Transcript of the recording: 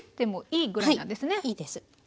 いいです。